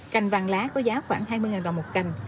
cành vàng lá có giá khoảng hai mươi đồng một cành